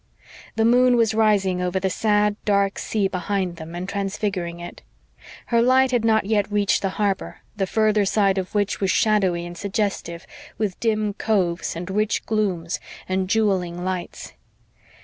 The moon was rising over the sad, dark sea behind them and transfiguring it. Her light had not yet reached the harbor, the further side of which was shadowy and suggestive, with dim coves and rich glooms and jewelling lights.